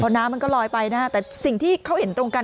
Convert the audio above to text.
น้ำมันก็ลอยไปนะฮะแต่สิ่งที่เขาเห็นตรงกัน